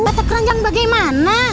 mata keranjang bagaimana